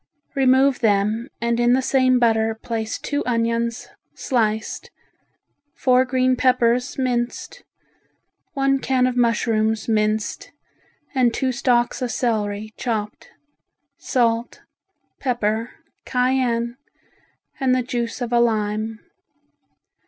Remove them and in the same butter place two onions, sliced, four green peppers minced, one can of mushrooms minced, and two stalks of celery chopped; salt, pepper, cayenne, and the juice of a lime.